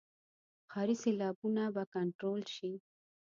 ښاري سیلابونه به کنټرول شي.